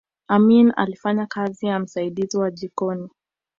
amin alifanya kazi ya msaidizi wa jikoni